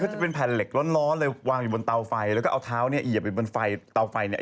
เขาจะเป็นแผ่นเหล็กร้อนในวางบนเตาไฟแล้วก็เอาทาวนี้เหยีบอยู่บนเตาไฟ